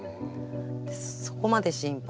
そこまで心配して。